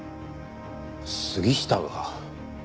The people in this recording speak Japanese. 杉下が？